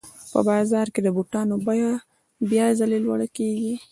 په بازار کې د بوټانو بیه بیا ځلي لوړه کېږي